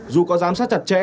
dù có giám sát chặt chẽ